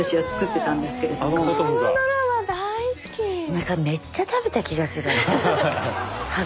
なんかめっちゃ食べた気がする私。